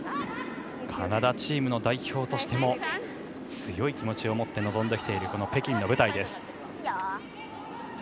カナダチームの代表としても強い気持ちを持って臨んできている北京の舞台です。